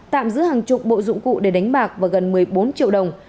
tạm giữ hàng chục bộ dụng cụ để đánh bạc và gần một mươi bốn triệu đồng